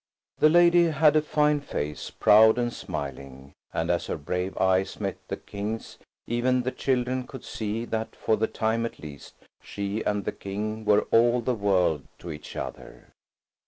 The lady had a fine face–proud and smiling–and as her brave eyes met the King's even the children could see that for the time at least, she and the King were all the world to each other.